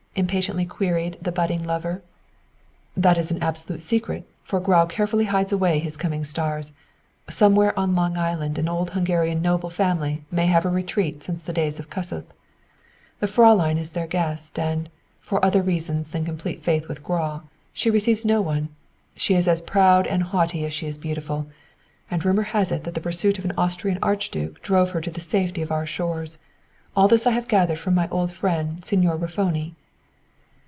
impatiently queried the budding lover. "That is an absolute secret, for Grau carefully hides away his coming stars. Somewhere on Long Island an old Hungarian noble family have had a retreat since the days of Kossuth. "The Fräulein is their guest, and, for other reasons than complete faith with Grau, she receives no one. She is as proud and haughty as she is beautiful, and rumor has it that the pursuit of an Austrian Archduke drove her to the safety of our shores. All this I have gathered from my old friend, Signore Raffoni."